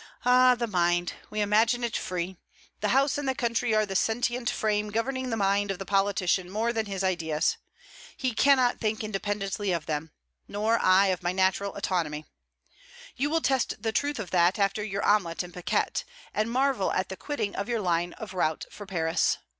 'Ah! the mind. We imagine it free. The House and the country are the sentient frame governing the mind of the politician more than his ideas. He cannot think independently of them: nor I of my natural anatomy. You will test the truth of that after your omelette and piquette, and marvel at the quitting of your line of route for Paris.